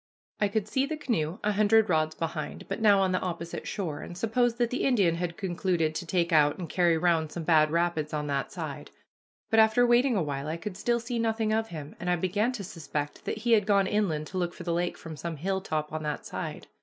I could see the canoe a hundred rods behind, but now on the opposite shore, and supposed that the Indian had concluded to take out and carry round some bad rapids on that side, but after waiting a while I could still see nothing of him, and I began to suspect that he had gone inland to look for the lake from some hilltop on that side.